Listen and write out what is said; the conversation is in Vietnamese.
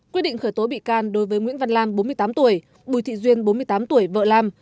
quyết định khởi tố bị can đối với nguyễn văn lam bốn mươi tám tuổi bùi thị duyên bốn mươi tám tuổi vợ lam